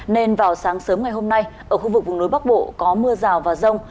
nên vào sáng sớm ngày hôm nay ở khu vực vùng núi bắc bộ có mưa rào và rông